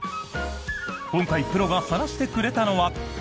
今回プロが話してくれたのは。